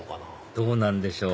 どうなんでしょう？